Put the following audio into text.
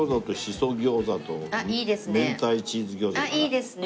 いいですね。